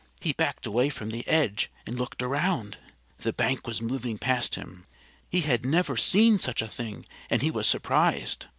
He backed away from the edge and looked around. The bank was moving past him. He had never seen such a thing and he was surprised.